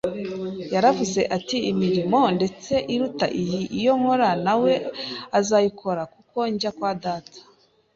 Yaravuze ati: “Imirimo ndetse iruta iyi [Iyo yakoraga] na we azayikora, kuko njya kwa Data.